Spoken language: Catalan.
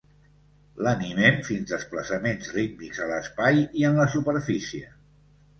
L'animen fins desplaçaments rítmics a l'espai i en la superfície.